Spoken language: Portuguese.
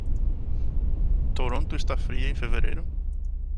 Toronto está fria em fevereiro?